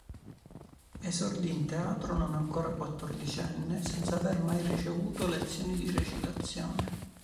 Esordì in teatro non ancora quattordicenne, senza aver mai ricevuto lezioni di recitazione.